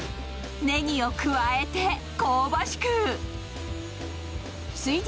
ねぎを加えて、香ばしく。